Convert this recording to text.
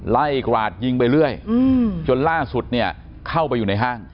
กราดยิงไปเรื่อยจนล่าสุดเนี่ยเข้าไปอยู่ในห้าง